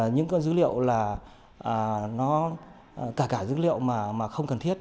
những dữ liệu là nó cả dữ liệu mà không cần thiết